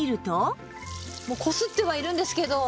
もうこすってはいるんですけど。